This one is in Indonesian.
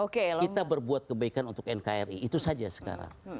kita berbuat kebaikan untuk nkri itu saja sekarang